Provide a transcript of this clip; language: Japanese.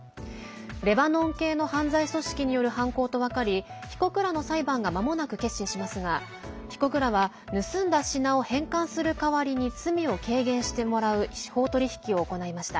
レバノン系の犯罪組織による犯行と分かり被告らの裁判がまもなく結審しますが被告らは盗んだ品を返還する代わりに罪を軽減してもらう司法取引を行いました。